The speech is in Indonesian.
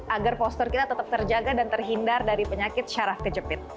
agar poster kita tetap terjaga dan terhindar dari penyakit syaraf kejepit